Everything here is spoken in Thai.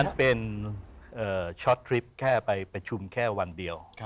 มันเป็นช็อตทริปแค่ไปประชุมแค่วันเดียว